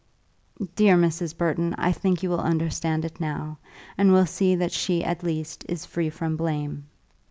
Dear Mrs. Burton, I think you will understand it now, and will see that she at least is free from blame.